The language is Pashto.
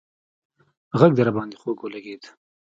غږ دې راباندې خوږ ولگېد